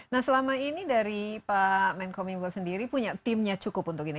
nah selama ini dari pak menkom info sendiri punya timnya cukup untuk ini